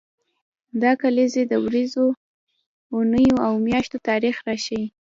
دا کلیزې د ورځو، اونیو او میاشتو تاریخ راښيي.